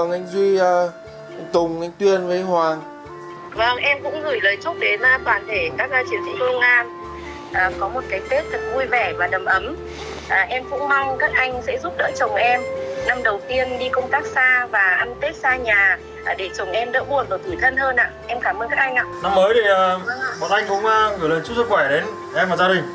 năm mới thì bọn anh cũng gửi lời chúc sức khỏe đến em và gia đình